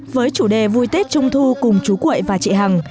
với chủ đề vui tết trung thu cùng chú cuội và chị hằng